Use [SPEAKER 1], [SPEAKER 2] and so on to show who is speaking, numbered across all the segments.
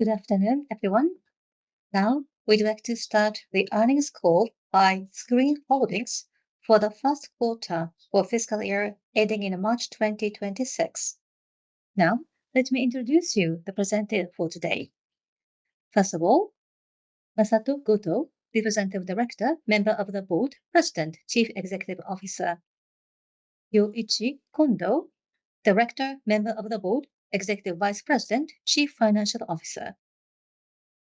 [SPEAKER 1] Good afternoon, everyone. Now we'd like to start the earnings call by screen holdings for the first quarter of fiscal year ending in March 2026. Now let me introduce you the presenter for today. First of all, Masato Go to, representative director, member of the board, president, chief executive officer. Yoichi Kondo, director, member of the board, executive vice president, chief financial officer.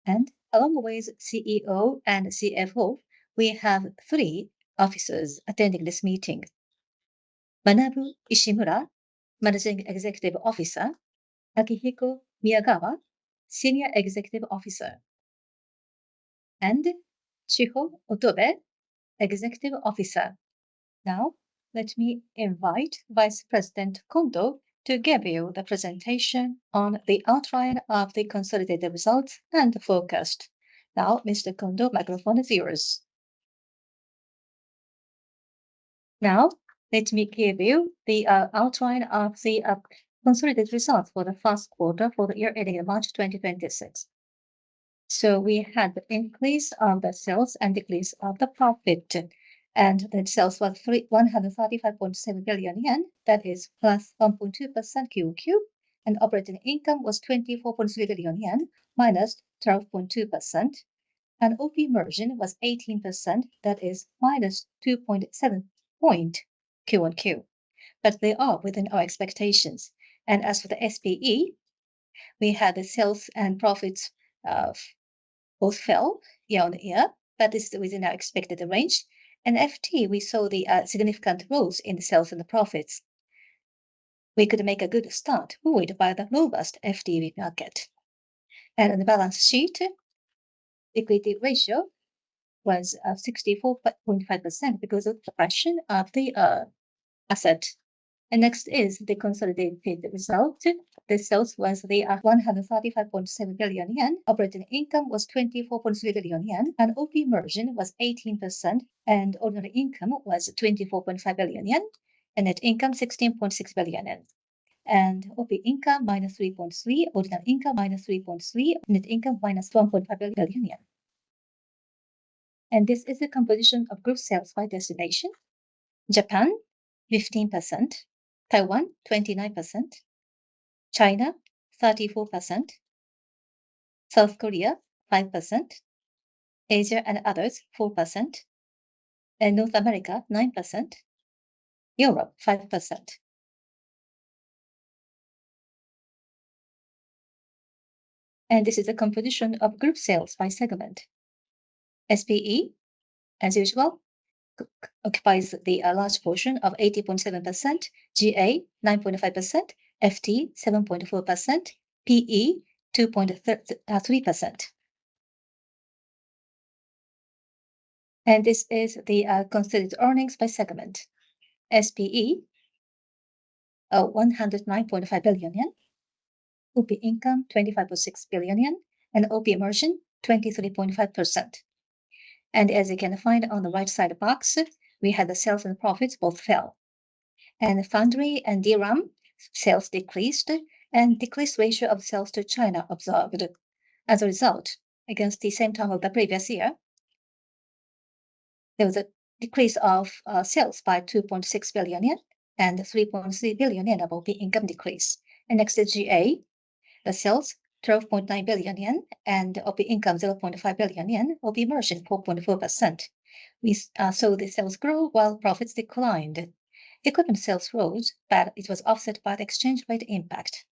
[SPEAKER 1] And along with CEO and CFO, we have three officers attending this meeting. Banaru Ishimura, managing executive officer Akihiko Miyagawa, senior executive officer, and Shihoh Otobe, executive officer. Now let me invite vice president Kondo to give you the presentation on the outline of the consolidated results and the forecast. Now, mister Kondo, microphone is yours. Now let me give you the outline of the consolidated results for the first quarter for the year ending March 2026. So we had the increase of the sales and decrease of the profit, And net sales was 3 135,700,000,000.0 yen. That is plus 1.2% q o q. And operating income was 24,300,000,000.0 yen minus 12.2%. And OP margin was 18%. That is minus 2.7 q on q, but they are within our expectations. And as for the SPE, we had the sales and profits of both fell year on year, but this is within our expected range. In FTE, we saw the significant growth in the sales and the profits. We could make a good start void by the robust FTE market. And on the balance sheet, equity ratio was 64.5% because of the of the asset. And next is the consolidated result. The sales was the 135,700,000,000.0 yen. Operating income was 24,300,000,000.0 yen and OP margin was 18%, and ordinary income was 24,500,000,000.0 yen and net income, 16,600,000,000.0 yen. And OP income, minus 3.3%, ordinary income, minus 3.3, net income, minus 1,500,000,000.0 yen. And this is the composition of group sales by destination. Japan, 15%. Taiwan, 29%. China, 34%. South Korea, 5%, Asia and others, 4%, and North America, 9%, Europe, 5%. And this is the composition of group sales by segment. SPE, as usual, occupies the large portion of 80.7%, GA, 9.5%, FTE, 7.4%, PE, 2.3%. And this is the considered earnings by segment. SPE, 109,500,000,000.0 yen OP income, 25,600,000,000.0 yen and OP merchant, 23.5%. And as you can find on the right side of the box, we had the sales and profits both fell. And the foundry and DRAM sales decreased and decreased ratio of sales to China observed. As a result, against the same time of the previous year, there was a decrease of sales by 2,600,000,000.0 yen and 3,300,000,000.0 yen of OP income decrease. And next to GA, the sales, 12,900,000,000.0 yen and OP income, 500,000,000.0 yen, will be merchant 4.4%. We saw the sales grow while profits declined. Equipment sales rose, but it was offset by the exchange rate impact.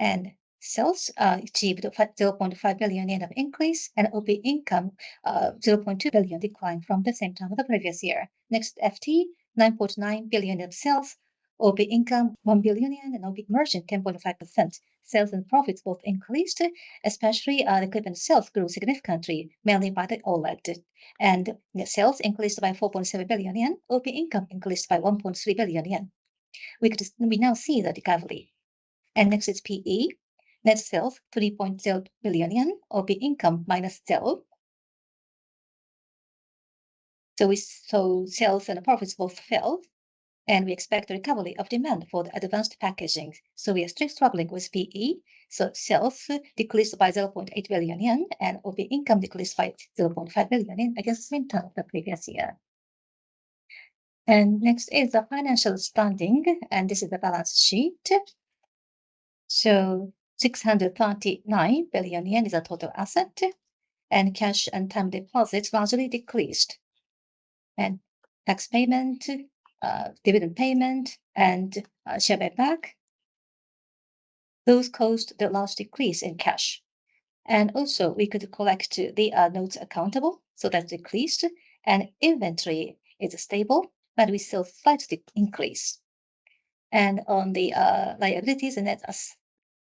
[SPEAKER 1] And sales achieved 500,000,000.0 yen of increase, and OP income, 200,000,000.0 declined from the same time of the previous year. Next, Feet, 9,900,000,000.0 yen in sales. OP income, 1,000,000,000 yen and OPIC merchant, 10.5%. Sales and profits both increased, especially equipment sales grew significantly mainly by the OLED. And net sales increased by 4,700,000,000. OP income increased by 1,300,000,000.0 yen. We could just we now see the recovery. And next is PE. Net sales, 3,000,000,000 yen. OP income minus 12. So we saw sales and profits both failed, and we expect the recovery of demand for the advanced packaging. So we are still struggling with PE. So sales decreased by 800,000,000.0 yen, and OP income decreased by 500,000,000.0 yen against the same term the previous year. And next is the financial standing, and this is the balance sheet. So 639,000,000,000 yen is our total asset, and cash and time deposits largely decreased. And tax payment, dividend payment, and share buyback, those caused the last decrease in cash. And, also, we could collect the notes accountable, so that decreased. And inventory is stable, but we saw flat decrease. And on the liabilities and net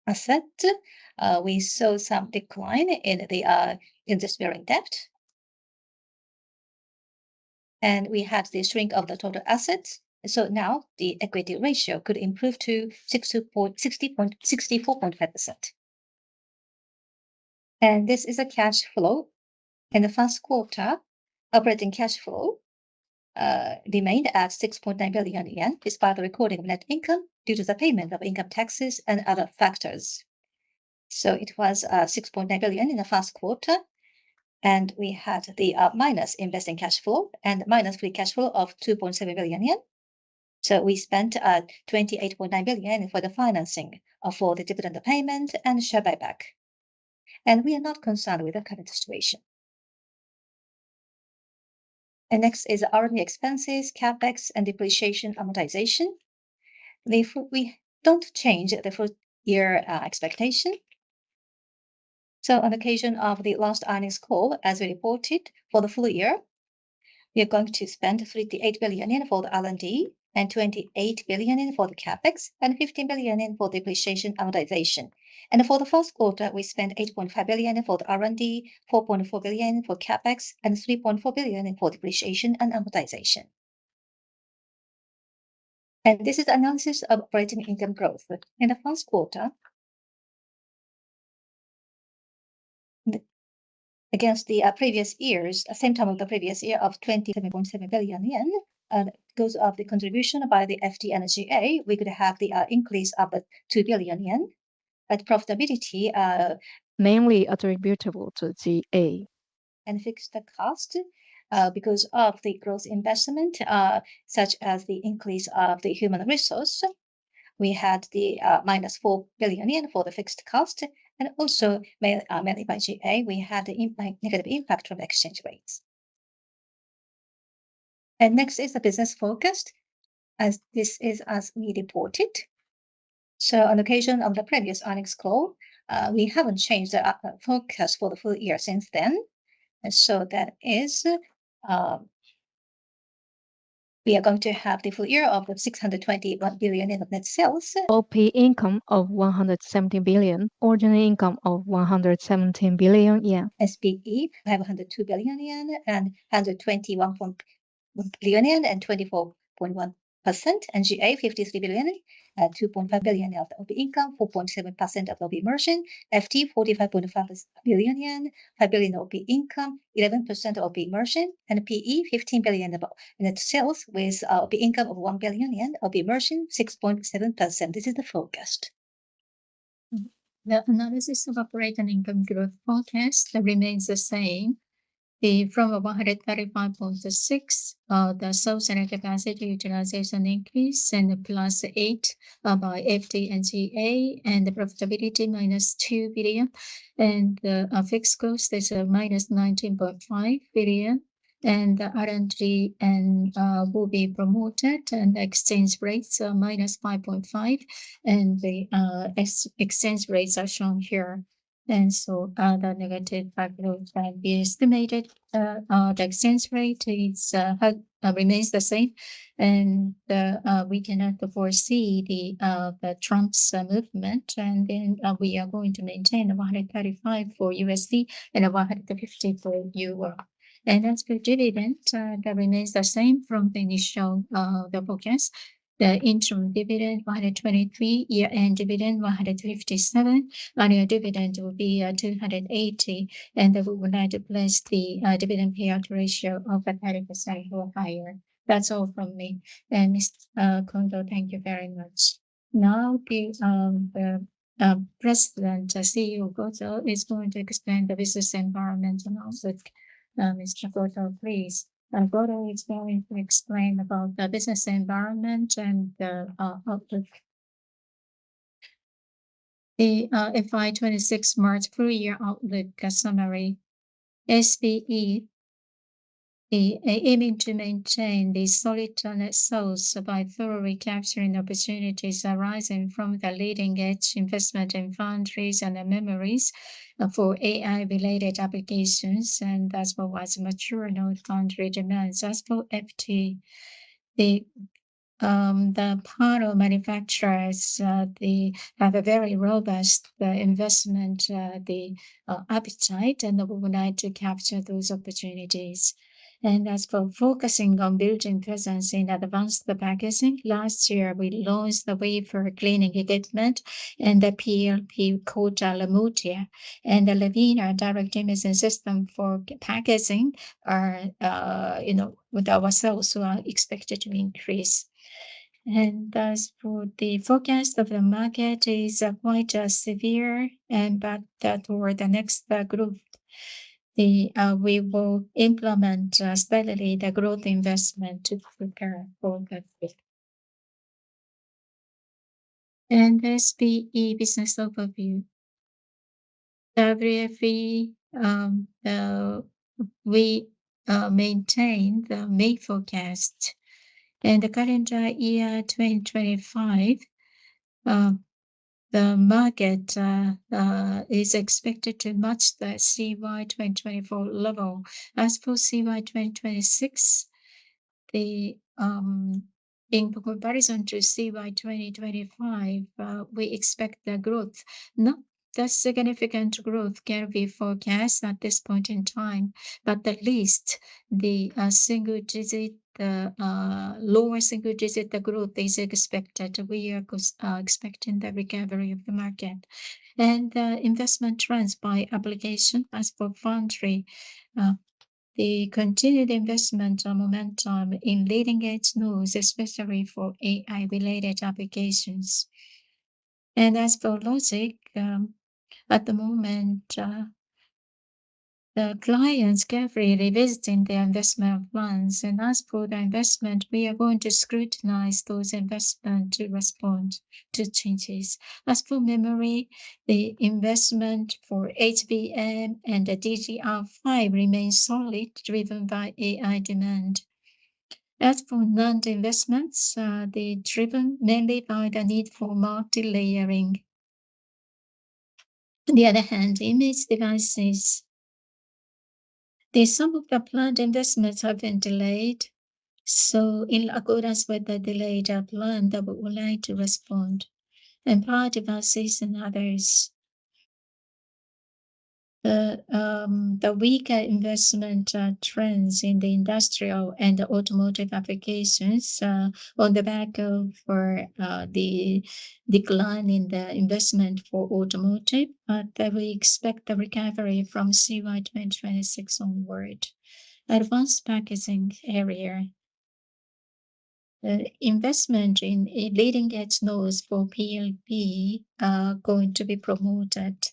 [SPEAKER 1] asset, we saw some decline in the interest bearing debt. And we had the shrink of the total assets. So now the equity ratio could improve to 60 64.5%. And this is a cash flow. In the first quarter, operating cash flow remained at 6,900,000,000.0 yen despite the recording of net income due to the payment of income taxes and other factors. So it was 6,900,000,000.0 in the first quarter, and we had the minus investing cash flow and minus free cash flow of 2,700,000,000.0 yen. So we spent 28,900,000,000.0 yen for the financing for the dividend payment and share buyback, and we are not concerned with the current situation. And next is r and d expenses, CapEx, and depreciation amortization. If we don't change the full year expectation, So on occasion of the last earnings call, as we reported for the full year, we are going to spend 38,000,000,000 yen for the r and d and 28,000,000,000 yen for the CapEx and 15,000,000,000 yen for depreciation amortization. And for the first quarter, we spent 8,500,000,000.0 for the R and D, 4,400,000,000.0 for CapEx and 3,400,000,000.0 for depreciation and amortization. And this is analysis of operating income growth. In the first quarter, against the previous years, same time of the previous year of 27,700,000,000.0 yen, and because of the contribution by the FD and GA, we could have the increase of 2,000,000,000 yen. But profitability Mainly attributable to GA. And fixed cost because of the gross investment such as the increase of the human resource. We had the minus 4,000,000,000 yen for the fixed cost and also mainly by GA, we had the impact negative impact from exchange rates. And next is the business forecast as this is as we reported. So on occasion of the previous earnings call, we haven't changed the forecast for the full year since then. And so that is we are going to have the full year of 621,000,000,000 in net sales. OP income of 170,000,000,000 yen. Origin income of 117,000,000,000 yen. SPE, 502,000,000,000 and 121,100,000,000.0 yen and 24.1%. NGA, 53,000,000,000 yen, 2,500,000,000.0 yen of of income, 4.7% of of Immersion. FTE, 45,500,000,000.0 yen, 5,000,000,000 OP income, 11% of the Immersion. NPE, 15,000,000,000 of net sales with OP income of 1,000,000,000 yen of immersion, 6.7%. This is the forecast. The analysis of operating income growth forecast remains the same. The from 01/2006, the sales and capacity utilization increase and plus eight by FD and GA, and the profitability minus 2,000,000,000. And the fixed cost is minus 19,500,000,000.0. And the r and d and will be promoted and exchange rates minus 5.5, and the ex exchange rates are shown here. And so the negative five gs estimated the exchange rate is remains the same, and we cannot foresee the the trunk's movement. And then we are going to maintain a 135 for USD and a 150 for EUR. And as per dividend, that remains the same from the initial the forecast. The interim dividend, 123. Year end dividend, 157. Annual dividend will be 280, and we would like to place the dividend payout ratio of the or higher. That's all from me. And, miss Kondo, thank you very much. Now give the president, CEO, Gozo, is going to explain the business environment and also, mister Gozo, please. Gozo is going to explain about the business environment and outlook. The FY twenty six March full year outlook summary, SVE, the aiming to maintain the solid by thorough capturing opportunities arising from the leading edge investment in foundries and the memories for AI related applications, and that's what was mature in our foundry demands. As for FD, the panel manufacturers, they have a very robust investment, the appetite, and overnight to capture those opportunities. And as for focusing on building presence in advanced packaging, last year, we launched the wafer cleaning equipment and the PLP called. And the Levena direct imaging system for packaging are, you know, with our sales, so are expected to increase. And as for the forecast of the market is quite severe and but toward the next group, the we will implement steadily the growth investment to prepare for. And SPE business overview. WFE, we maintain the May forecast. In the calendar year 2025, the market is expected to match the CY 2024 level. As for CY 2026, the in comparison to CY twenty twenty five, we expect the growth. Not that significant growth can be forecast at this point in time, but at least the single digit, lower single digit growth is expected. We are expecting the recovery of the market. And investment trends by application as for foundry, The continued investment momentum in leading edge nodes, especially for AI related applications. And as for Logic, at the moment, the clients carefully revisiting their investment plans. And as for the investment, we are going to scrutinize those investment to respond to changes. As for memory, the investment for HVM and the d g r five remain solid driven by AI demand. As for NAND investments, they're driven mainly by the need for multilayering. On the other hand, image devices. The some of the planned investments have been delayed. So in accordance with the delayed plan that we would like to respond And part of our system, others, the weaker investment trends in the industrial and the automotive applications on the back of for the decline in the investment for automotive, but we expect the recovery from CY 2026 onward. Advanced packaging area. Investment in a leading edge nodes for PLP are going to be promoted,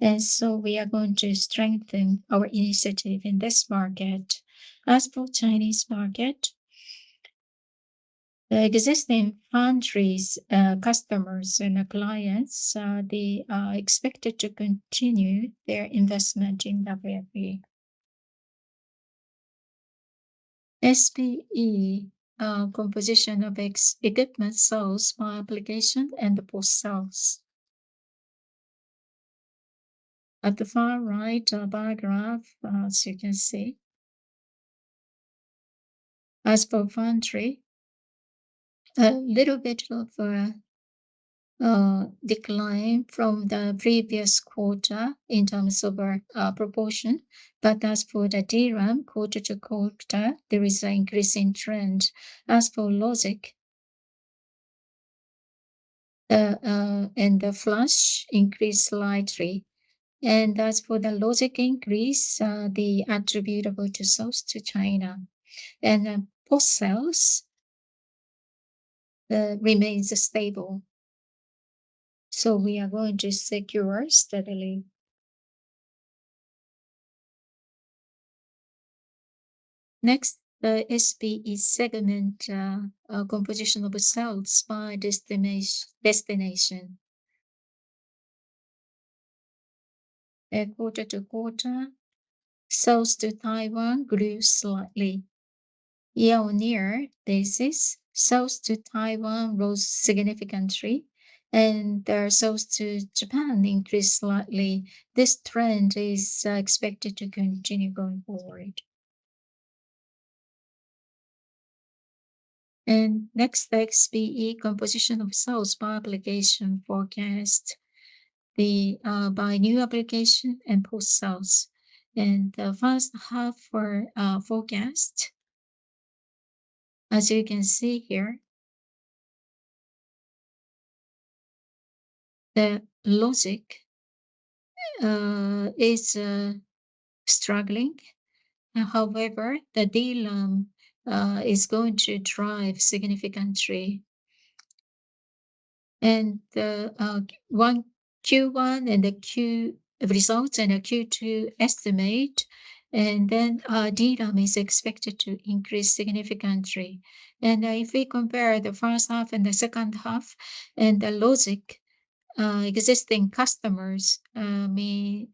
[SPEAKER 1] and so we are going to strengthen our initiative in this market. As for Chinese market, existing foundries, customers, and clients, they are expected to continue their investment in WFE. SPE, composition of ex equipment sales by application and the post sales. At the far right bar graph, as you can see, as for foundry, a little bit of decline from the previous quarter in terms of our proportion. But as for the DRAM, quarter to quarter, there is an increasing trend. As for logic, and the flash increased slightly. And as for the logic increase, the attributable to source to China. And post sales remains stable. So we are going to secure steadily. Next, the SPE segment composition of cells by destination. Quarter to quarter, sales to Taiwan grew slightly. Year on year basis, sales to Taiwan rose significantly, and their sales to Japan increased slightly. This trend is expected to continue going forward. And next, be composition of sales by application forecast. The by new application and post sales. And the first half for forecast, as you can see here, the logic is struggling. However, the DRAM, is going to drive significantly. And the, one q one and the q results and the q two estimate, and then DRAM is expected to increase significantly. And if we compare the first half and the second half and the logic, existing customers may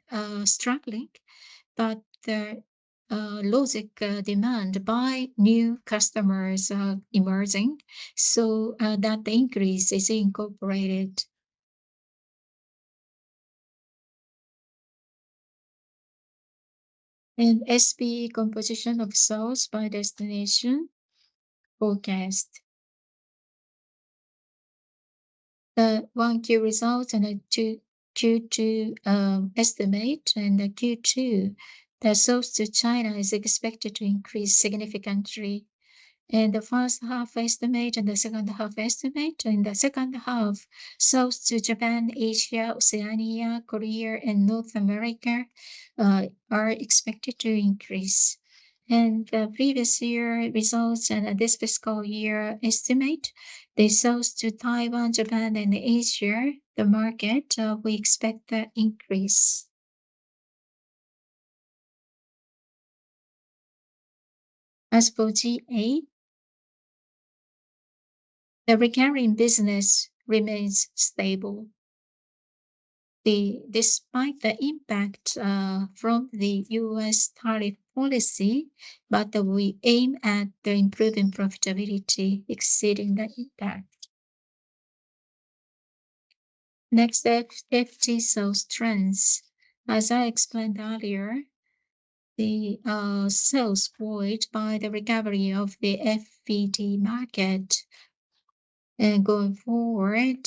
[SPEAKER 1] struggling, but the logic demand by new customers are emerging so that the increase is incorporated. And SP composition of source by destination forecast. One q result and a '2 q two estimate and the q two that sells to China is expected to increase significantly. And the first half estimate and the second half estimate, in the second half, sales to Japan, Asia, Oceania, Korea, and North America are expected to increase. And the previous year results and this fiscal year estimate, they sales to Taiwan, Japan, and Asia, the market, we expect the increase. As for GA, the recurring business remains stable. The despite the impact from The US tariff policy, but we aim at improving profitability exceeding the impact. Next step, f t sales trends. As I explained earlier, the sales void by the recovery of the FVD market. And going forward,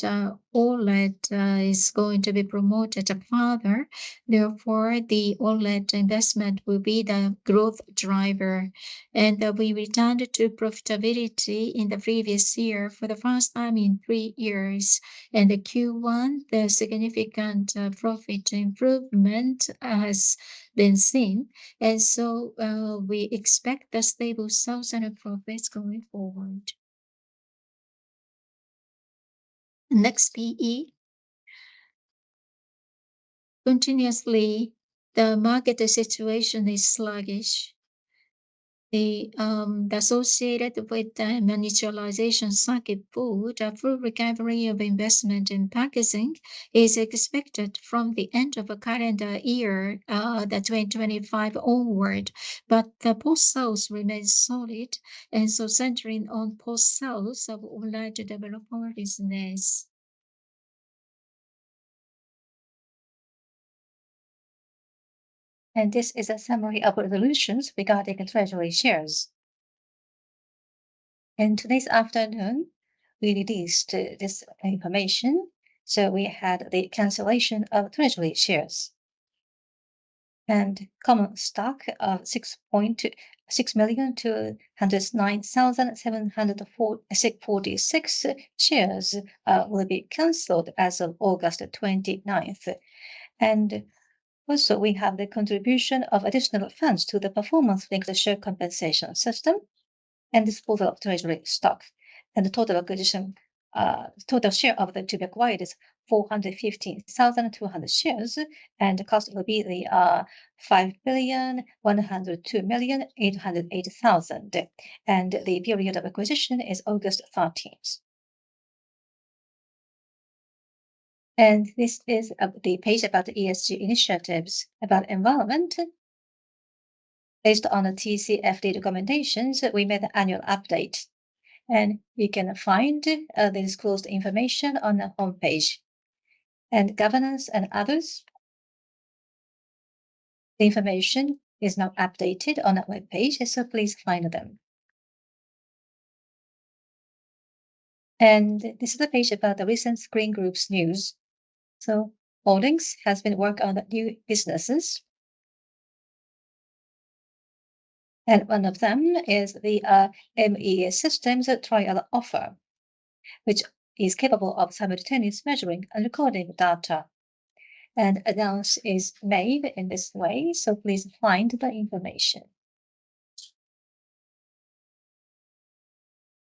[SPEAKER 1] OLED, is going to be promoted further. Therefore, the OLED investment will be the growth driver, and we returned to profitability in the previous year for the first time in three years. In the q one, the significant profit improvement has been seen. And so we expect a stable sales and profits going forward. Next PE. Continuously, the market situation is sluggish. The the associated with the miniaturization circuit board, a full recovery of investment in packaging is expected from the end of the calendar year, the 2025 onward, but the post sales remain solid. And so centering on post sales of all large development business. And this is a summary of resolutions regarding treasury shares. And today's afternoon, we released this information. So we had the cancellation of treasury shares. And common stock of $6,600,000.0209704 $6.46 shares will be canceled as of August 29. And, also, we have the contribution of additional funds to the performance linked share compensation system and disposal of treasury stock. And the total acquisition total share of the two b acquired is 415,200 shares, and the cost will be the 5,102,808,000. And the period of acquisition is August 13. And this is the page about ESG initiatives about environment. Based on the TCFD recommendations, we made annual update, and you can find the disclosed information on the home page. And governance and others, the information is now updated on that web page, and so please find them. And this is the page about the recent screen groups news. So Holdings has been worked on new businesses, and one of them is the MEA systems trial offer, which is capable of simultaneous measuring and recording data. And announce is made in this way, so please find the information.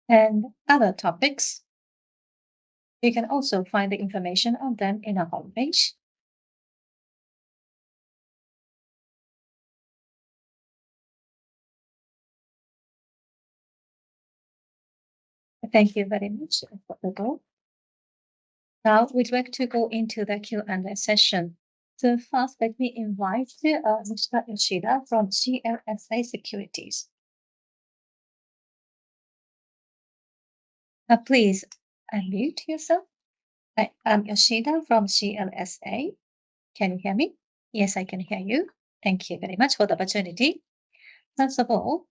[SPEAKER 1] And other topics, you can also find the information of them in our homepage. Thank you very much for the call. Now we'd like to go into the q and a session. So first, let me invite you, Ruchita Enshida from GLSI Securities. Please unmute yourself. I I'm Yoshida from CLSA. Can you hear me? Yes. I can hear you. Thank you very much for the opportunity. First of all,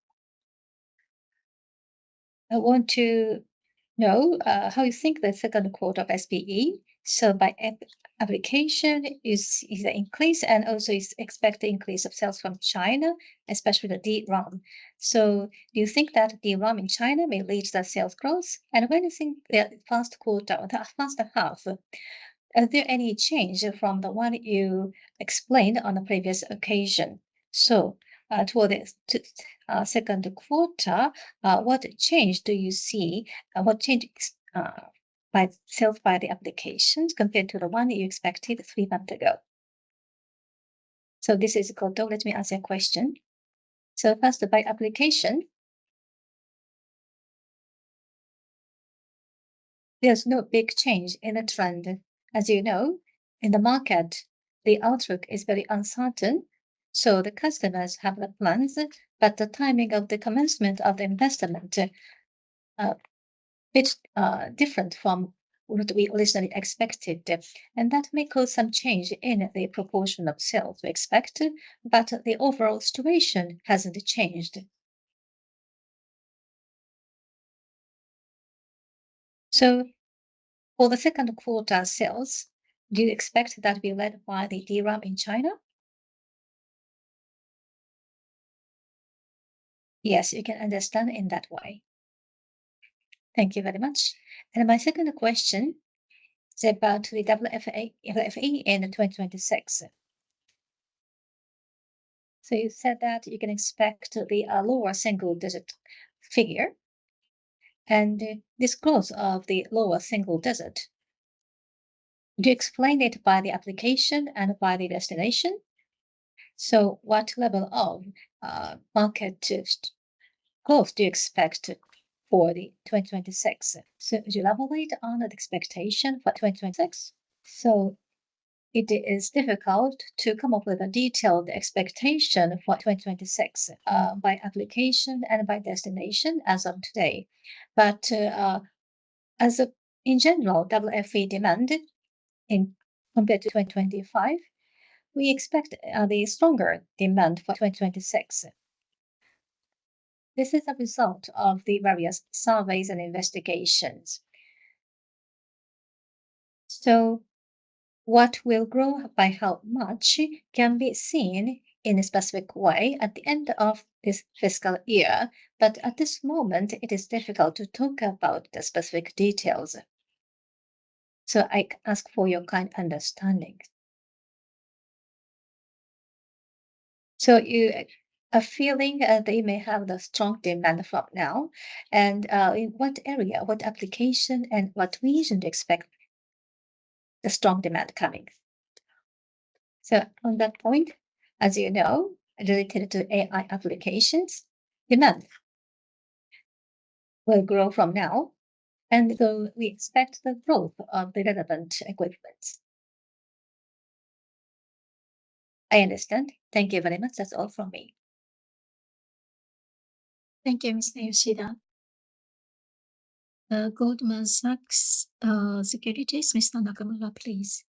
[SPEAKER 1] I want to know how you think the second quarter of SPE. So by application is is the increase and also is expect the increase of sales from China, especially the DRAM. So you think that DRAM in China may lead to sales growth? And when you think the first quarter or the first half, are there any change from the one you explained on the previous occasion? So toward the second quarter, what change do you see? What changes by sales by the applications compared to the one that you expected three months ago? So this is called let me ask you a question. So first, by application, there's no big change in a trend. As you know, in the market, the outlook is very uncertain. So the customers have the plans, but the timing of the commencement of the investment, bit different from what we originally expected. And that may cause some change in the proportion of sales we expect, but the overall situation hasn't changed. So for the second quarter sales, do you expect that to be led by the DRAM in China? Yes. You can understand in that way. Thank you very much. And my second question is about the w f a w f e in 2026. So you said that you can expect to be a lower single digit figure, and disclose of the lower single digit. Do you explain it by the application and by the destination? So what level of market growth do you expect for the 2026? So would you elaborate on that expectation for 2026? So it is difficult to come up with a detailed expectation for 2026 by application and by destination as of today. But as a in general, WFE demand in compared to 2025, we expect the stronger demand for 2026. This is a result of the various surveys and investigations. So what will grow by how much can be seen in a specific way at the end of this fiscal year. But at this moment, it is difficult to talk about the specific details. So I ask for your kind understanding. So you a feeling that you may have the strong demand for now. And in what area, what application, and what reason to expect the strong demand coming? So on that point, as you know, related to AI applications, demand will grow from now, and so we expect the growth of the relevant equipments. I understand. Thank you very much. That's all from me. Thank you, mister Yoshida. Goldman Sachs securities, mister Nakamura, please.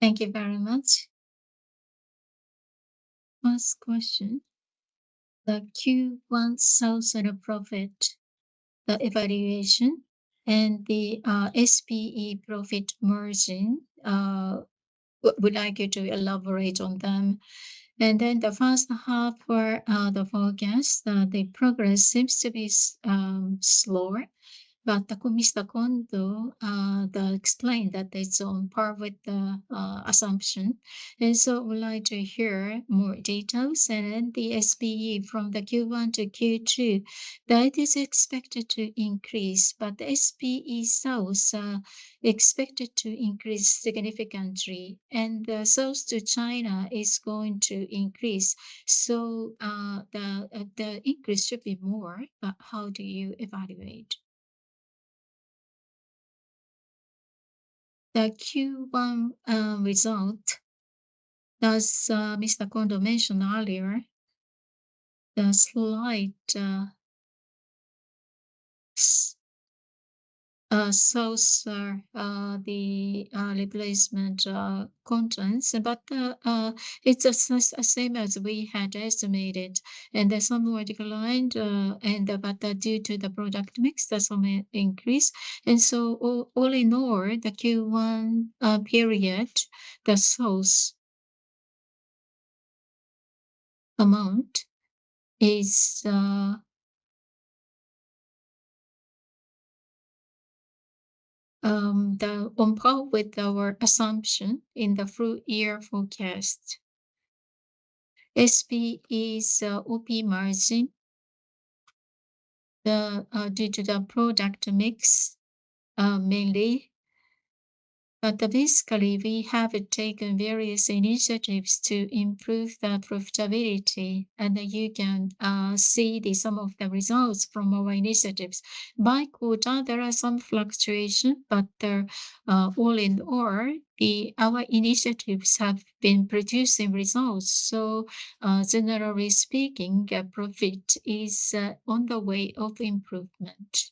[SPEAKER 1] Thank you very much. Last question. The q one sales and a profit evaluation and the SPE profit margin. Would like you to elaborate on them. And then the first half for the forecast, the progress seems to be slower, but the the explained that it's on par with the assumption. And so I would like to hear more details and the SPE from the q one to q two. That is expected to increase, but the SPE sales expected to increase significantly, and the sales to China is going to increase. So the the increase should be more, but how do you evaluate? The q one result, as mister Condo mentioned earlier, the slight saucer the replacement contents, but it's as as same as we had estimated. And there's some more declined and but due to the product mix, there's some increase. And so all in all, the q one period, the source amount is the on par with our assumption in the full year forecast. SP is OP margin. The due to the product mix mainly. But, basically, we have taken various initiatives to improve the profitability, and then you can see the some of the results from our initiatives. By quarter, there are some fluctuation, but they're all in all, the our initiatives have been producing results. So, generally speaking, profit is on the way of improvement.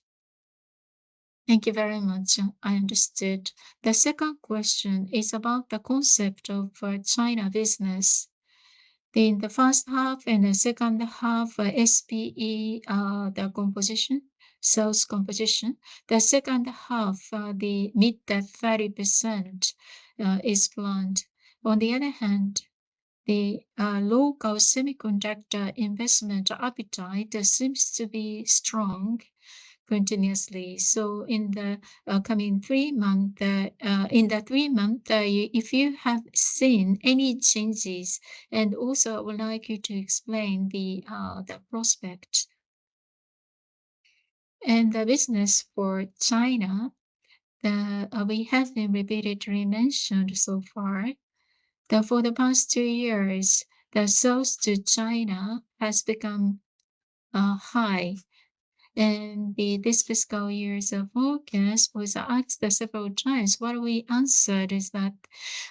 [SPEAKER 1] Thank you very much. I understood. The second question is about the concept of China business. In the first half and the second half, SPE, the composition sales composition, The second half, the mid 30% is planned. On the other hand, the local semiconductor investment appetite seems to be strong continuously. So in the coming three month in the three month, if you have seen any changes and, also, I would like you to explain the the prospect. And the business for China, the we have been repeatedly mentioned so far. The for the past two years, the sales to China has become high. And the this fiscal year's forecast was asked several times. What we answered is that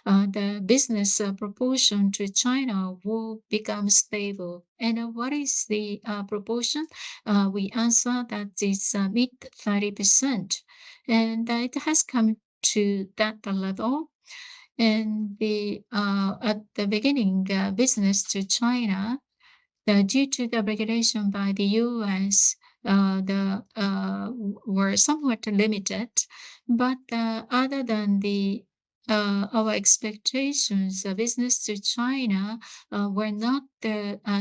[SPEAKER 1] the business proportion to China will become stable. And what is the proportion? We answer that this mid 30%, and it has come to that level. And the at the beginning, the business to China, due to the regulation by The US, the were somewhat limited. But other than the our expectations, business to China were not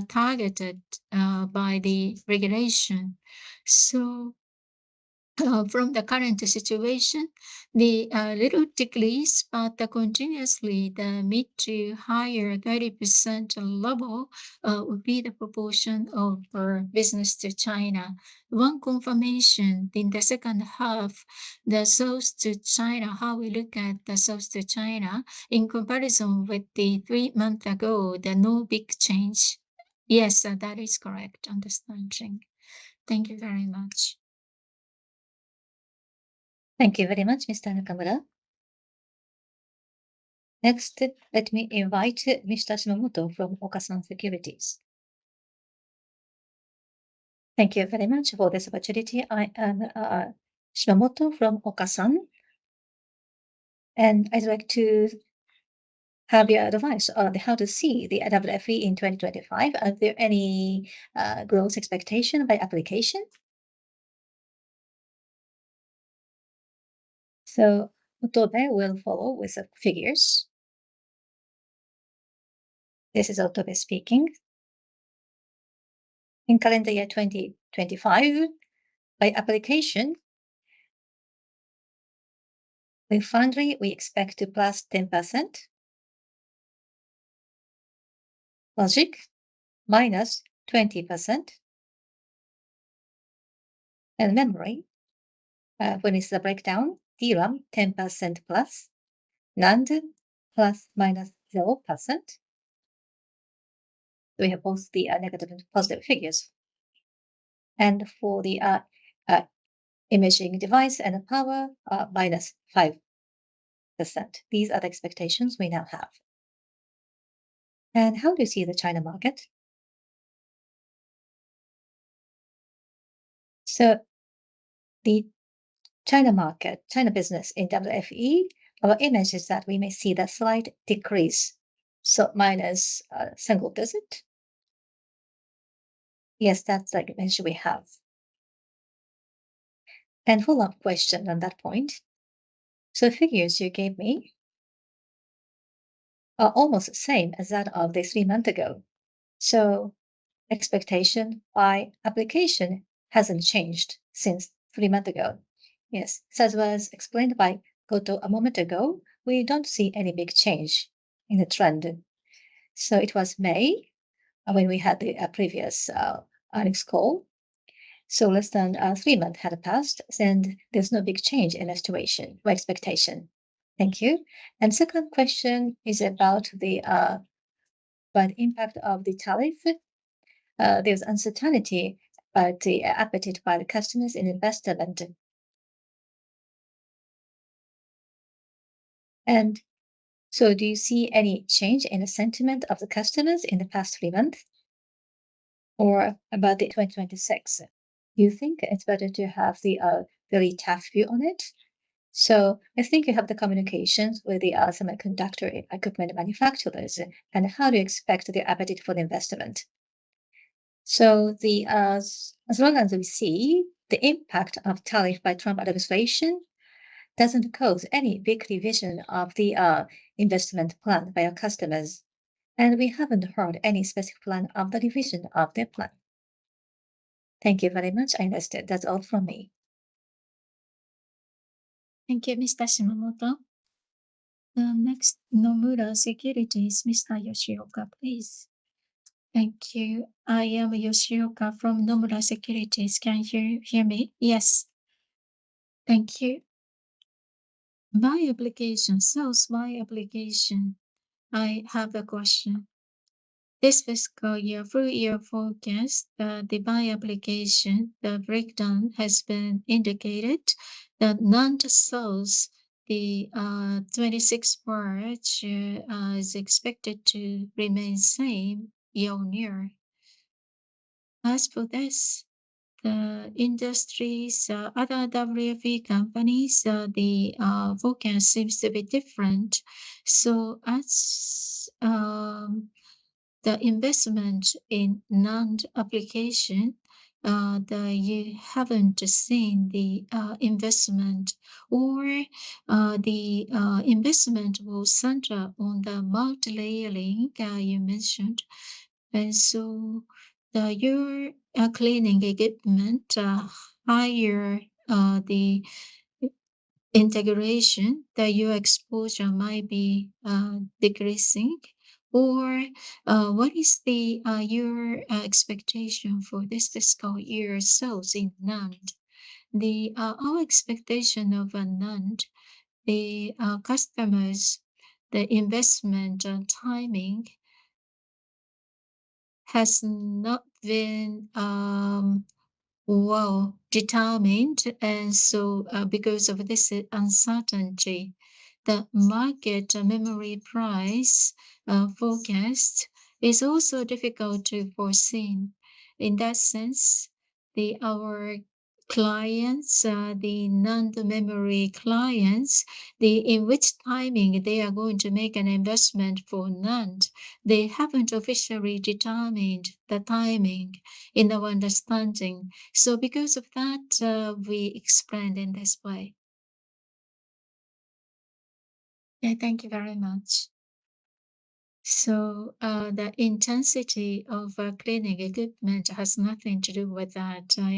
[SPEAKER 1] targeted by the regulation. So from the current situation, the little decrease, but continuously, the mid to higher 30% level would be the proportion of our business to China. One confirmation in the second half, the sales to China, how we look at the sales to China in comparison with the three month ago, there are no big change. Yes. That is correct. Understanding. Thank you very much. Thank you very much, mister Nakamura. Next step, let me invite mister Shimomoto from Okasan Securities. Thank you very much for this opportunity. I am Shimomoto from Okasan, And I'd like to have your advice on how to see the IWFE in 2025. Are there any growth expectation by application? So will follow with the figures. This is speaking. In calendar year 2025, by application, refinery, we expect to plus 10%. Logic, minus 20%. And memory, when is the breakdown? DRAM, 10% plus. NAND plus minus 0%. We have both the negative and positive figures. And for the imaging device and power, minus 5%. These are the expectations we now have. And how do you see the China market? So the China market China business in WFE, our image is that we may see the slight decrease, so minus single digit. Yes. That's the dimension we have. And follow-up question on that point. So figures you gave me are almost the same as that of the three month ago. So expectation by application hasn't changed since three month ago. Yes. As was explained by Goto a moment ago, we don't see any big change in the trend. So it was May when we had the previous earnings call. So less than three months had passed, and there's no big change in the situation or expectation. Thank you. And second question is about the impact of the tariff. There's uncertainty about the appetite by the customers in investor London. And so do you see any change in the sentiment of the customers in the past three months or about the 2026? You think it's better to have the, very tough view on it? So I think you have the communications with the semiconductor equipment manufacturers, and how do you expect their appetite for the investment? So the as long as we see the impact of tariff by Trump administration doesn't cause any big revision of the investment plan by our customers, and we haven't heard any specific plan of the revision of their plan. Thank you very much. I understand. That's all from me. Thank you, mister Shimomoto. Next, Nomura Securities, mister Yoshiroka, please. Thank you. I am Yoshiroka from Nomura Securities. Can you hear hear me? Yes. Thank you. Buy application. Sales buy application. I have a question. This fiscal year, full year forecast, the buy application, the breakdown has been indicated that none to source, the 26 bar, which is expected to remain same year on year. As for this, the industries, other WFE companies, forecast seems to be different. So as the investment in NAND application, the you haven't seen the investment or the investment will center on the multilayering that you mentioned. And so your cleaning equipment higher the integration that your exposure might be decreasing. Or what is the your expectation for this fiscal year sales in NAND? The our expectation of NAND, the customers, the investment timing has not been well determined. And so because of this uncertainty, the market memory price forecast is also difficult to foresee. In that sense, the our clients, the NAND memory clients, the in which timing they are going to make an investment for NAND, They haven't officially determined the timing in our understanding. So because of that, we explained in this way. Yeah. Thank you very much. So the intensity of cleaning equipment has nothing to do with that. I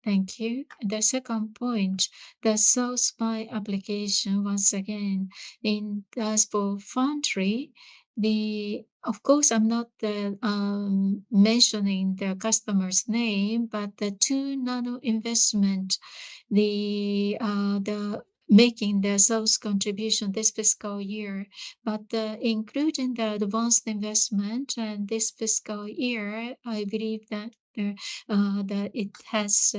[SPEAKER 1] understood. Thank you. The second point, the source by application once again in as for foundry, the of course, I'm not mentioning the customer's name, but the 2 nano investment, the the making the sales contribution this fiscal year. But including the advanced investment in this fiscal year, I believe that that it has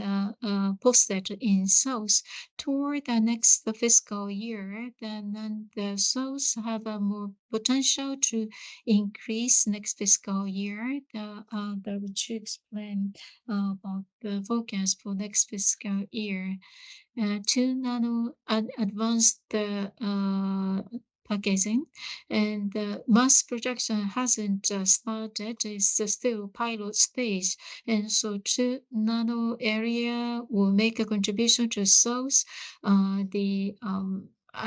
[SPEAKER 1] posted in sales toward the next fiscal year, then then the sales have a more potential to increase next fiscal year. The which explain about the forecast for next fiscal year. Two nano advanced packaging, and the mass production hasn't started. It's still pilot stage. And so two nano area will make a contribution to source. The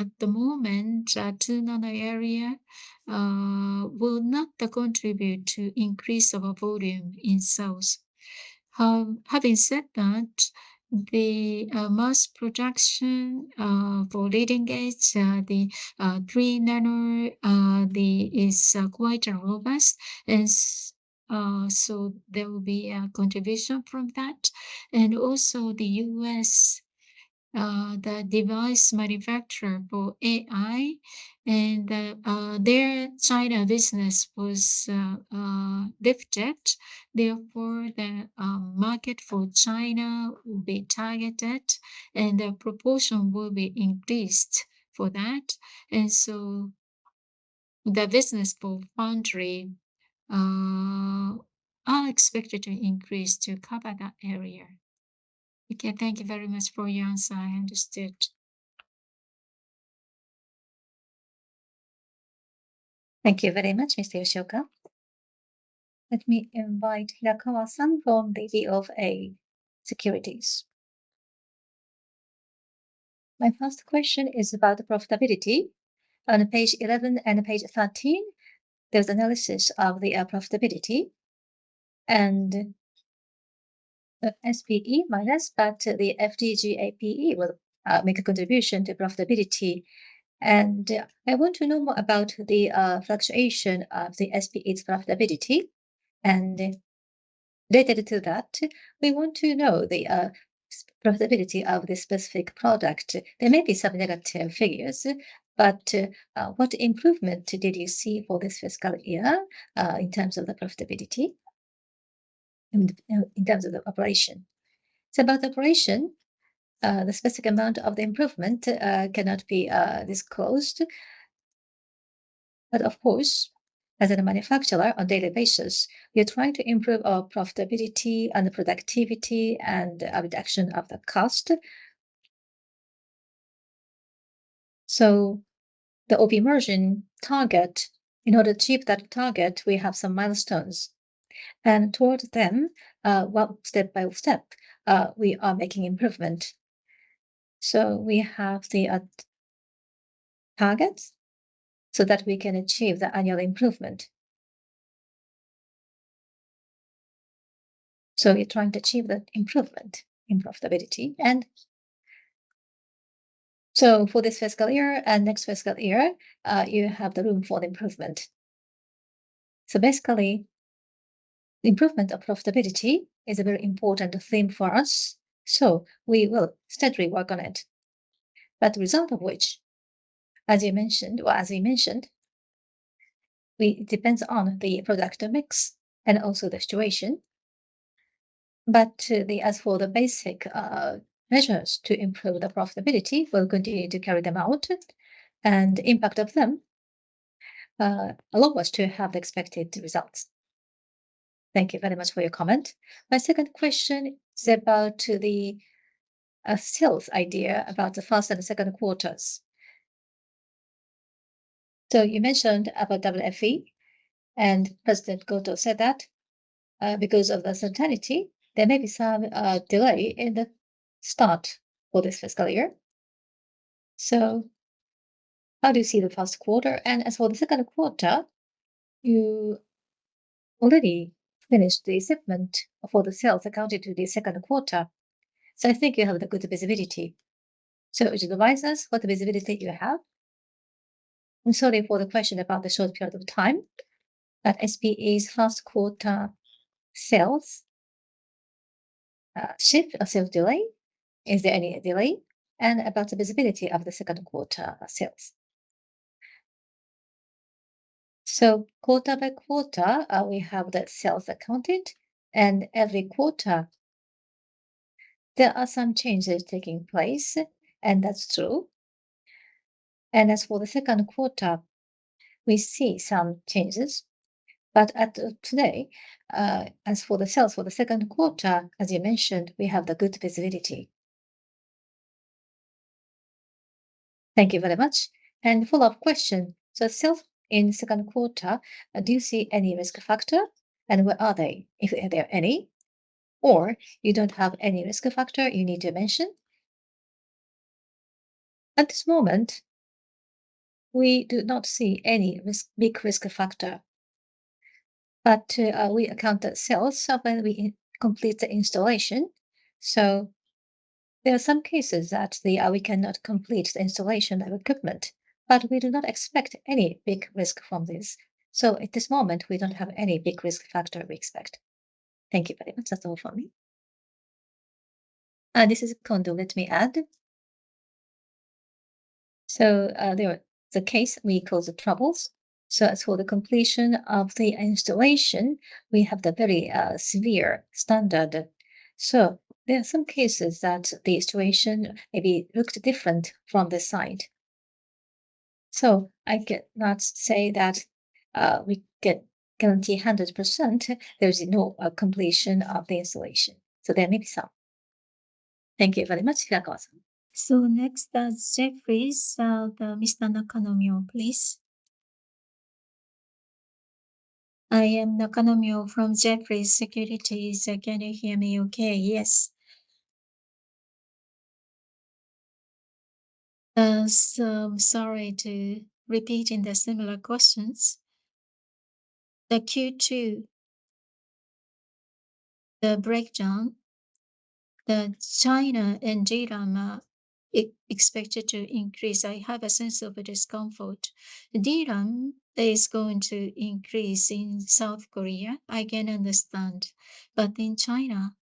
[SPEAKER 1] at the moment, two nano area will not contribute to increase of a volume in cells. Having said that, the mass production for leading gauge, the three nano, the is quite robust. And so there will be a contribution from that. And, also, The US, the device manufacturer for AI, and their China business was defected. Therefore, the market for China will be targeted, and the proportion will be increased for that. And so the business for foundry are expected to increase to cover that area. Okay. Thank you very much for your answer. I understood. Thank you very much, mister Yoshioka. Let me invite Hirakawa san from the DA of a securities. My first question is about the profitability. On page 11 and page 13, there's analysis of the profitability and SPE minus, but the FDGAPE will make a contribution to profitability. And I want to know more about the fluctuation of the SPE's profitability. And related to that, we want to know the profitability of this specific product. There may be some negative figures, what improvement did you see for this fiscal year in terms of the profitability in in terms of the operation. So about operation, the specific amount of the improvement cannot be disclosed. But, of course, as a manufacturer on daily basis, we are trying to improve our profitability and the productivity and reduction of the cost. So the op immersion target, in order to achieve that target, we have some milestones. And towards them, well, step by step, we are making improvement. So we have the targets so that we can achieve the annual improvement. So we're trying to achieve that improvement in profitability. And so for this fiscal year and next fiscal year, you have the room for the improvement. So, basically, improvement of profitability is a very important thing for us, so we will steadily work on it. But the result of which, as you mentioned or as you mentioned, we it depends on the product mix and also the situation. But to the as for the basic measures to improve the profitability, we'll continue to carry them out, and impact of them allow us to have the expected results. Thank you very much for your comment. My second question is about to the sales idea about the first and second quarters. So you mentioned about WFE, and president Goethe said that because of uncertainty, there may be some delay in the start for this fiscal year. So how do you see the first quarter? And as for the second quarter, you already finished the shipment for the sales accounted to the second quarter. So I think you have the good visibility. So would you advise us what visibility you have? I'm sorry for the question about the short period of time that SPE's first quarter sales shift, a sales delay. Is there any delay? And about the visibility of the second quarter sales. So quarter by quarter, we have that sales accounted. And every quarter, there are some changes taking place, and that's true. And as for the second quarter, we see some changes. But as of today, as for the sales for the second quarter, as you mentioned, we have the good visibility. Thank you very much. And follow-up question. So sales in second quarter, do you see any risk factor, and where are they? If are there any? Or you don't have any risk factor you need to mention? At this moment, we do not see any risk big risk factor. But we account the sales when we complete the installation. So there are some cases that the we cannot complete the installation of equipment, but we do not expect any big risk from this. So at this moment, we don't have any big risk factor we expect. Thank you very much. That's all for me. This is a condo. Let me add. So there the case, we call the troubles. So as for the completion of the installation, we have the very severe standard. So there are some cases that the situation maybe looked different from this side. So I cannot say that we get guarantee 100% there's no completion of the installation. So there may be some. Thank you very much. So next is Jeffrey. Mister, I am from Jeffrey Securities. Can you hear me okay? Yes. So sorry to repeating the similar questions. The q two, the breakdown, the China and DRAM expected to increase. I have a sense of discomfort. DRAM is going to increase in South Korea. I can understand. But in China,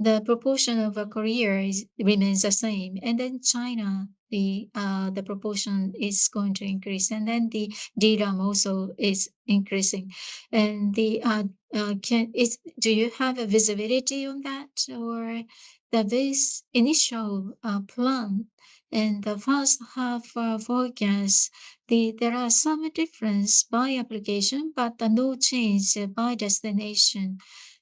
[SPEAKER 1] the proportion of Korea is remains the same. And then China, the the proportion is going to increase, and then the DRAM also is increasing. And the can is do you have a visibility on that? Or the base initial plan and the first half forecast, the there are some difference by application, but no change by destination.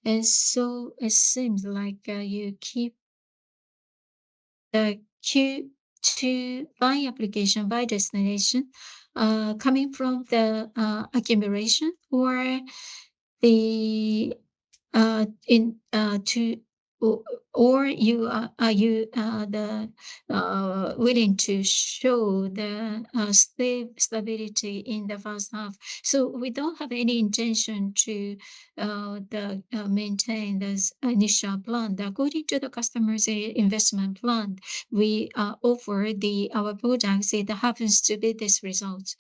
[SPEAKER 1] And so it seems like you keep the q two by application, by destination coming from the accumulation or the in to or you are are you the willing to show the stability in the first half? So we don't have any intention to the maintain this initial plan. According to the customer's investment plan, we offer the our. See, that happens to be this result.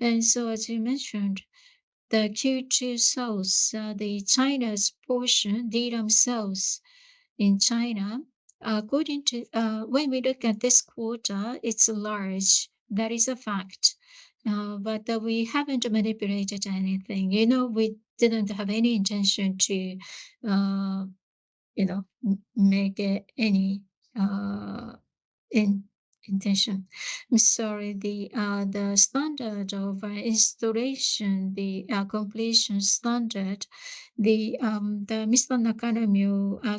[SPEAKER 1] And so as you mentioned, the q two sales, the China's portion, sales in China, according to when we look at this quarter, it's large. That is a fact. But we haven't manipulated anything. You know, we didn't have any intention to, you know, make any intention. Sorry. The the standard of installation, the completion standard, the the missed one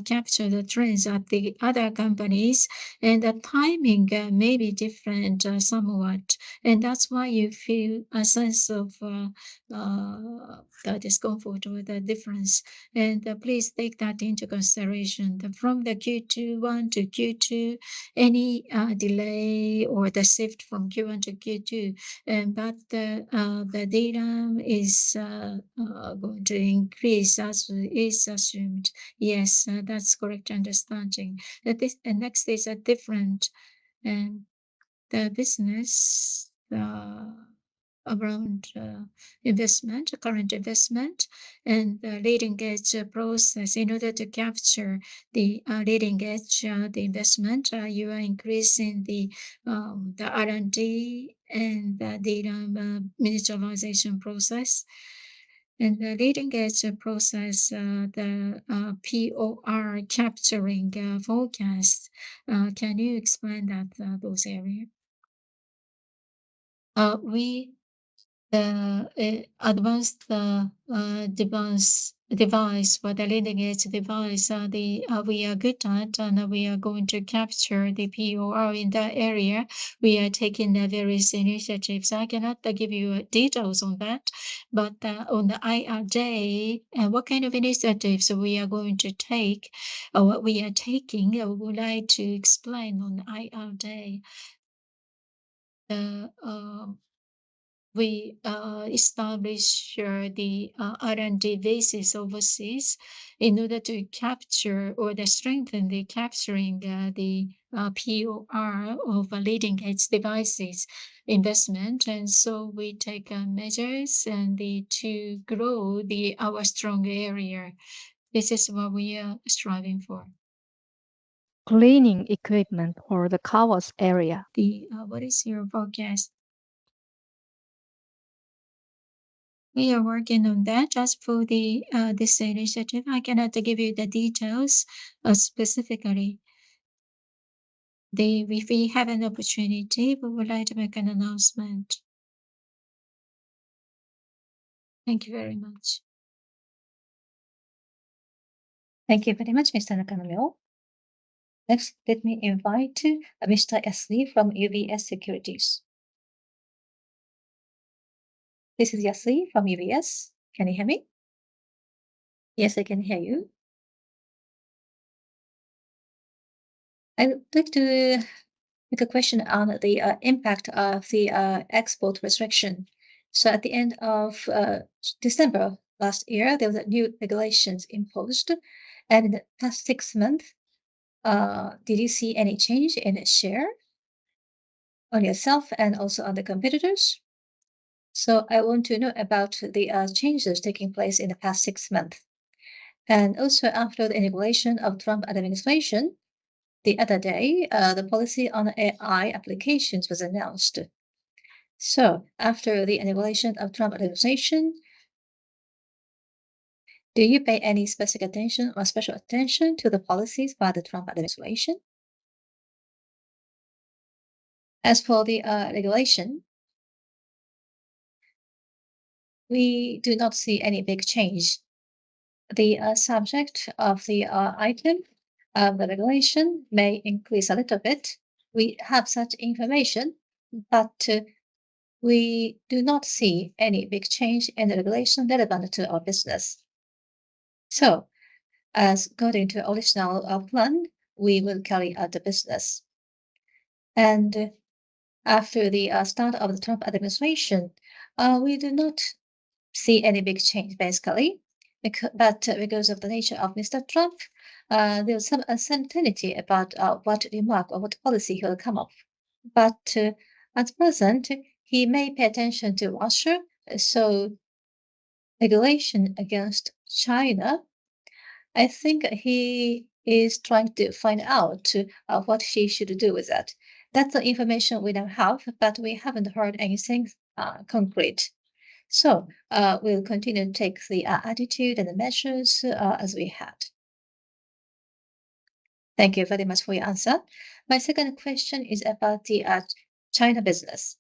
[SPEAKER 1] capture the trends at the other companies, and the timing may be different somewhat. And that's why you feel a sense of discomfort or the difference. And please take that into consideration. From the q two one to q two, any delay or the shift from q one to q two, but the DRAM is going to increase as is assumed. Yes. That's correct understanding. The this the next is a different the business around investment current investment and leading edge process in order to capture the leading edge, the investment. You are increasing the the r and d and the data miniaturization process. And the leading edge process, the POR capturing forecast, can you explain that those area? We the advanced device device for the leading edge device, the we are good at, and we are going to capture the POR in that area. We are taking various initiatives. I cannot give you details on that. But on the IR day, what kind of initiatives we are going to take? What we are taking, I would like to explain on IR day. We establish the r and d basis overseas in order to capture or to strengthen the capturing the the POR of a leading edge devices investment. And so we take measures and the to grow the our strong area. This is what we are striving for. Cleaning equipment or the covers area. The what is your forecast? We are working on that. As for the this initiative, I cannot give you the details specifically. The if we have an opportunity, we would like to make an announcement. Thank you very much. Thank you very much, mister Nakanulio. Next, let me invite mister Esli from UBS Securities. This is Esli from UBS. Can you hear me? Yes. I can hear you. I would like to make a question on the impact of the export restriction. So at the December, there was a new regulations imposed. And in the past six months, did you see any change in share on yourself and also on the competitors? So I want to know about the changes taking place in the past six months. And, also, after the integration of Trump administration, the other day, the policy on AI applications was announced. So after the inauguration of Trump administration, do you pay any specific attention or special attention to the policies by the Trump administration? As for the regulation, we do not see any big change. The subject of the item, the regulation may increase a little bit. We have such information, but we do not see any big change in the regulation relevant to our business. So as according to original plan, we will carry out the business. And after the start of the Trump administration, we do not see any big change, basically. But because of the nature of mister Trump, there's some uncertainty about what remark or what policy he will come off. But, at present, he may pay attention to Russia. So regulation against China, I think he is trying to find out, what she should do with that. That's the information we don't have, but we haven't heard anything concrete. So we'll continue to take the attitude and the measures as we had. Thank you very much for your answer. My second question is about the China business.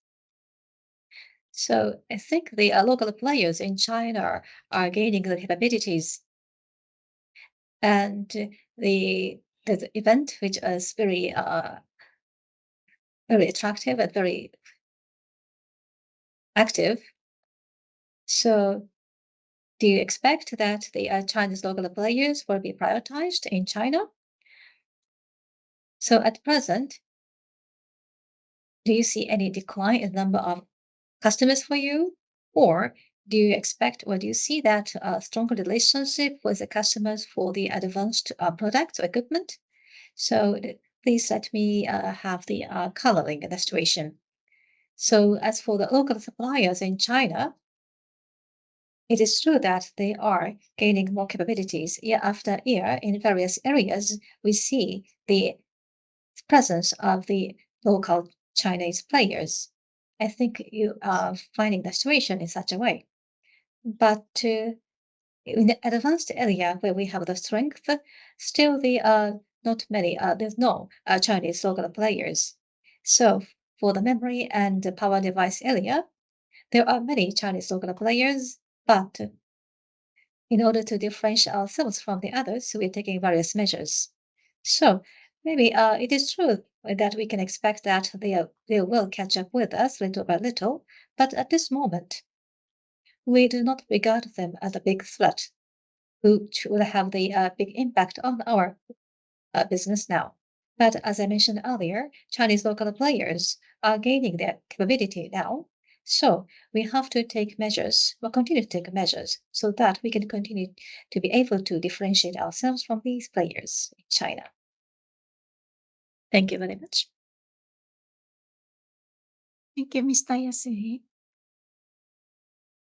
[SPEAKER 1] So I think the local players in China are gaining the capabilities. And the the event which is very, very attractive and very active, so do you expect that the Chinese local players will be prioritized in China? So at present, do you see any decline in number of customers for you, or do you expect or do you see that a stronger relationship with the customers for the advanced product or equipment? So please let me have the coloring and the situation. So as for the local suppliers in China, it is true that they are gaining more capabilities year after year in various areas. We see the presence of the local Chinese players. I think you are finding the situation in such a way. But to in the advanced area where we have the strength, still, there are not many there's no Chinese local players. So for the memory and the power device area, there are many Chinese soccer players, but in order to differentiate ourselves from the others, we're taking various measures. So maybe it is true that we can expect that they they will catch up with us little by little. But at this moment, we do not regard them as a big threat, which will have the big impact on our business now. But as I mentioned earlier, Chinese local players are gaining their capability now, so we have to take measures. We'll continue to take measures so that we can continue to be able to differentiate ourselves from these players in China. Thank you very much. Thank you, miss.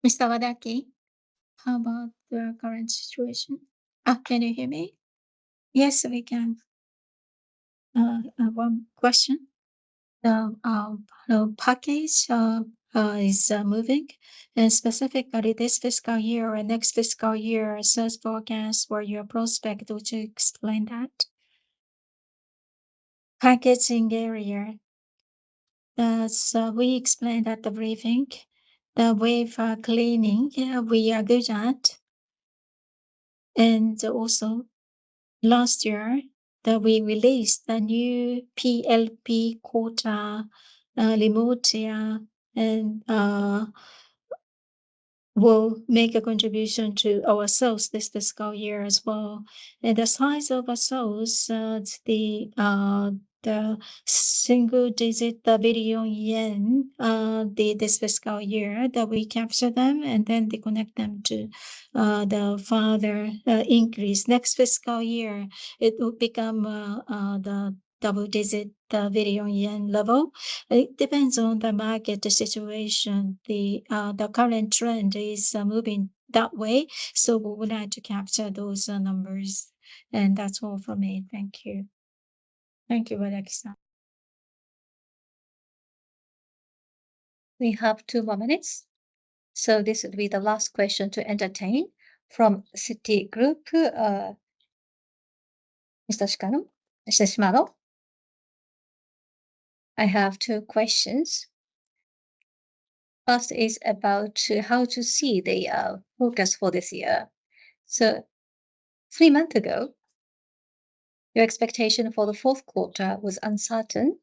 [SPEAKER 1] Mister, about the current situation? Can you hear me? Yes. We can. One question. Package is moving. And, specifically, this fiscal year or next fiscal year, sales forecast for your prospect. Would you explain that? Packaging area. So we explained at the briefing. The wafer cleaning, yeah, we are good at. And, also, last year, we released a new PLP quota remote here, and we'll make a contribution to our sales this fiscal year as well. And the size of our sales, the the single digit, the billion yen, the this fiscal year that we capture them and then they connect them to the further increase. Next fiscal year, it will become the double digit billion yen level. It depends on the market situation. The the current trend is moving that way, so we would like to capture those numbers. And that's all for me. Thank you. Thank you, We have two more minutes. So this would be the last question to entertain from Citigroup. Mister Shikano, mister Shimano, I have two questions. First is about how to see the forecast for this year. So three months ago, your expectation for the fourth quarter was uncertain.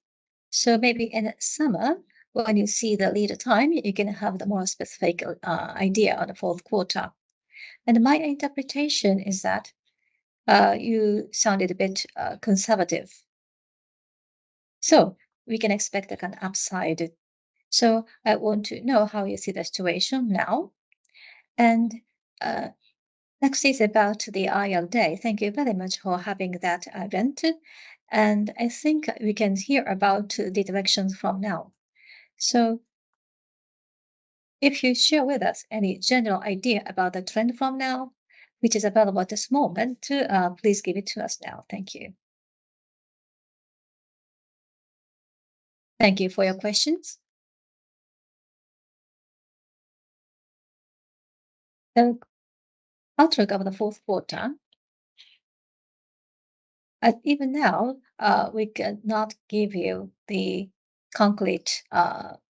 [SPEAKER 1] So maybe in summer, when you see the leader time, you can have the more specific idea on the fourth quarter. And my interpretation is that you sounded a bit conservative. So we can expect, like, an upside. So I want to know how you see the situation now. And next is about the IELD Day. Thank you very much for having that event, and I think we can hear about the directions from now. So if you share with us any general idea about the trend from now, which is available at this moment, please give it to us now. Thank you. Thank you for your questions. After of the fourth quarter, even now, we cannot give you the concrete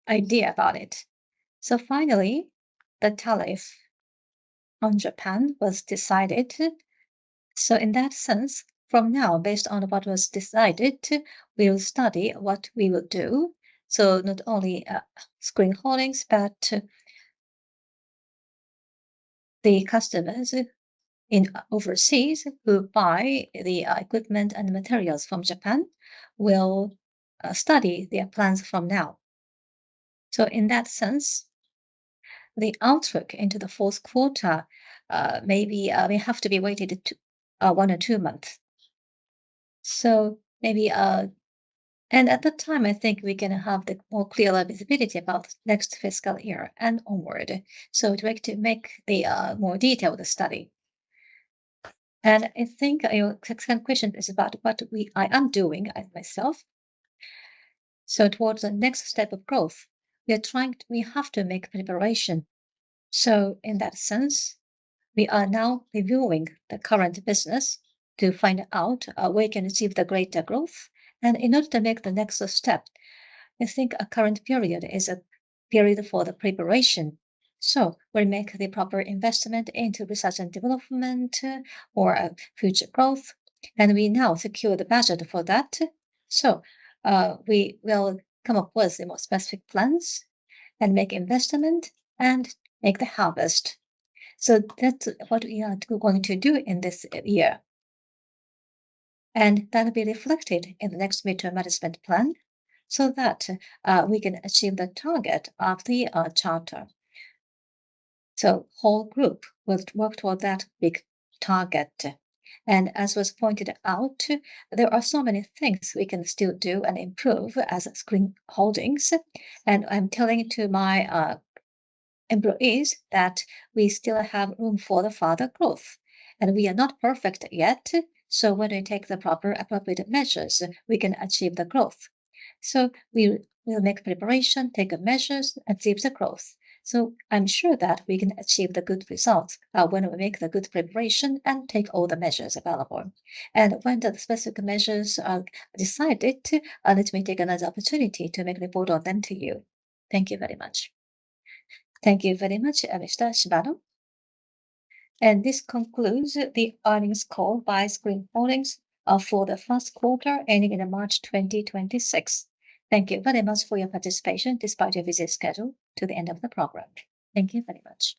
[SPEAKER 1] idea about it. So finally, the tariff on Japan was decided. So in that sense, from now, based on what was decided, we will study what we will do. So not only screen holdings, but the customers in overseas who buy the equipment and materials from Japan will study their plans from now. So in that sense, the outlook into the fourth quarter, maybe we have to be waited to one or two months. So maybe and at that time, I think we can have the more clearer visibility about next fiscal year and onward. So I'd like to make the more detailed study. And I think your second question is about what we I am doing as myself. So towards the next step of growth, we are trying we have to make preparation. So in that sense, we are now reviewing the current business to find out where we can achieve the greater growth. And in order to make the next step, I think a current period is a period for the preparation. So we'll make the proper investment into research and development or future growth, and we now secure the budget for that. So we will come up with more specific plans and make investment and make the harvest. So that's what we are going to do in this year. And that'll be reflected in the next midterm management plan so that we can achieve the target of the charter. So whole group will work toward that And as was pointed out, there are so many things we can still do and improve as a screen holdings. And I'm telling it to my, employees that we still have room for the further growth. And we are not perfect yet, so when we take the proper appropriate measures, we can achieve the growth. So we'll we'll make preparation, take measures, and save the growth. So I'm sure that we can achieve the good results when we make the good preparation and take all the measures available. And when the specific measures are decided, let me take another opportunity to make report of them to you. Thank you very much. Thank you very much, mister Shibano. And this concludes the earnings call by screen warnings for the first quarter ending in March 2026. Thank you very much for your participation despite your busy schedule to the end of the program. Thank you very much.